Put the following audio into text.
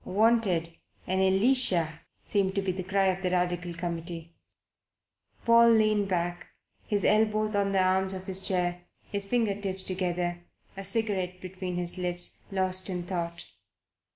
"Wanted: an Elisha," seemed to be the cry of the Radical Committee. Paul leaned back, his elbows on the arms of his chair, his finger tips together, a cigarette between his lips, lost in thought.